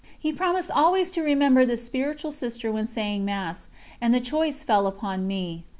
He promised always to remember this spiritual sister when saying Mass, and the choice fell upon me.